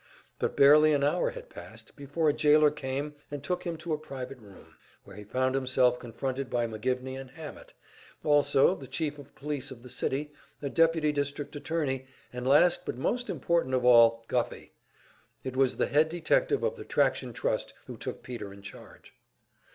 But barely an hour had passed before a jailer came, and took him to a private room, where he found himself confronted by McGivney and Hammett, also the Chief of Police of the city, a deputy district attorney, and last but most important of all Guffey. It was the head detective of the Traction Trust who took Peter in charge.